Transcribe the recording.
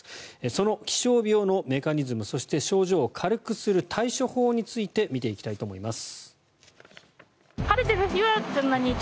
その気象病のメカニズムそして症状を軽くする対処法について見ていきたいと思います。